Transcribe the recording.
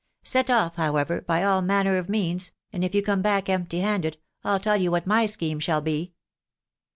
Set off, however, by all manner of means, and if you come back empty handed, I'll tell you what my scheme shall be."